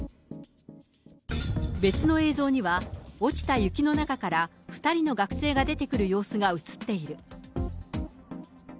別の映像には、落ちた雪の中から、２人の学生が出てくる様子が写っている。